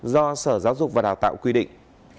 do sở giáo dục và đào tạo quy định